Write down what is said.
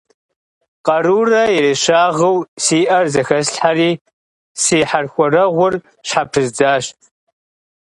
Къарурэ ерыщагъыу сиӏэр зэхэслъхьэри, си хьэрхуэрэгъур щхьэпрыздзащ.